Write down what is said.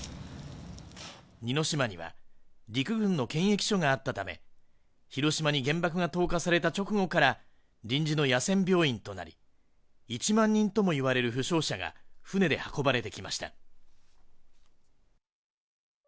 似島には陸軍の検疫所があったため、広島に原爆が投下された直後から臨時の野戦病院となり、１万人とも言われる負傷者が船で運ばれてきました。